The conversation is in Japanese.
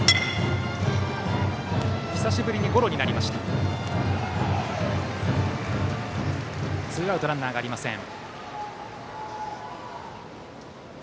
久しぶりのゴロでツーアウト、ランナーありません。